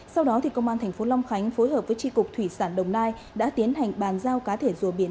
sau đó công an tp long khánh phối hợp với tri cục thủy sản đồng nai đã tiến hành bàn giao cá thể rùa biển